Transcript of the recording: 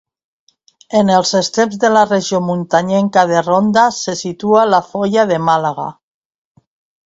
En els estreps de la Regió Muntanyenca de Ronda se situa la Foia de Màlaga.